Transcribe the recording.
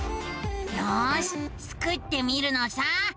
よしスクってみるのさ。